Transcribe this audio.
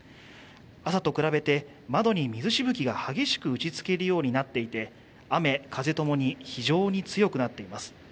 朝と比べて窓に水しぶきが激しく打ち付けるようになっていて雨風ともに非常に強くなっています